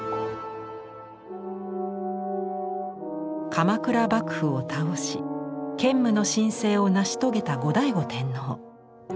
鎌倉幕府を倒し建武の新政を成し遂げた後醍醐天皇。